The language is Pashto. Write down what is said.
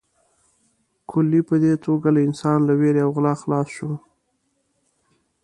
کلی په دې توګه له انسان له وېرې او غلا خلاص شو.